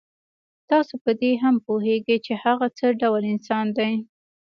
تاسو په دې هم پوهېږئ چې هغه څه ډول انسان دی.